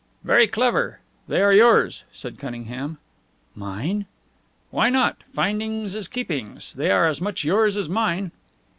"Very clever. They are yours," said Cunningham. "Mine?" "Why not? Findings is keepings. They are as much yours as mine."